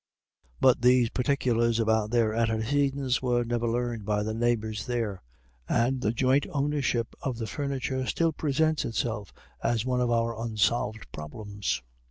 But these particulars about their antecedents were never learned by the neighbours there; and the joint ownership of the furniture still presents itself as one of our unsolved problems.